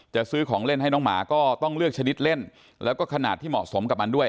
จะซื้อของเล่นให้น้องหมาก็ต้องเลือกชนิดเล่นแล้วก็ขนาดที่เหมาะสมกับมันด้วย